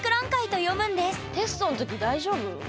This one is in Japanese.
テストの時大丈夫？